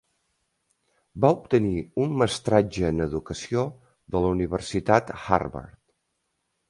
Va obtenir un mestratge en educació de la Universitat Harvard.